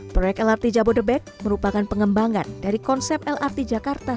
proyek lrt jabodebek merupakan pengembangan dari konsep lrt jakarta